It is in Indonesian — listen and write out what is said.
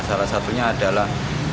salah satunya adalah